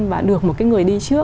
và được một cái người đi trước